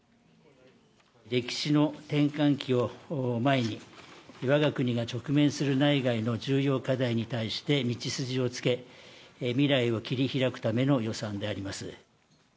歴史の転換期を前に、わが国が直面する内外の重要課題に対して道筋をつけ、未来を切り開くための予算であります。